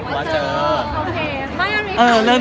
ค่ะถ้าะมันมาย้อนดูนี่ตัวเองพูด